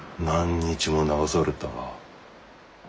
何日も流された。